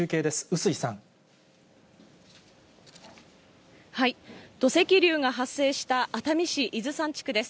臼井さ土石流が発生した熱海市伊豆山地区です。